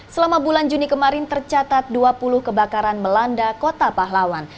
selama bulan juni kemarin tercatat dua puluh kebakaran melanda kota pahlawan